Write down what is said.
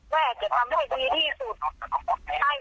แม่จะทำให้ดีที่สุดให้ลูกเป็นนางฟ้าบนสวรรค์